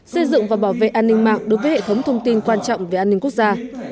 xây dựng và bảo vệ an ninh mạng đối với hệ thống thông tin quan trọng về an ninh quốc gia